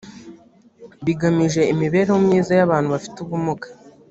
bigamije imibereho myiza y’abantu bafite ubumuga